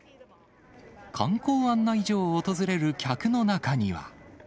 観光案内所を訪れる客の中には。